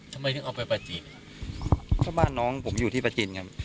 ทำไมถึงเอาไปประจีนก็บ้านน้องผมอยู่ที่ประจีนครับ